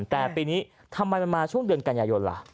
แต่ปีนี้ทำไมมันมาช่วงเดือนกันยายนล่ะ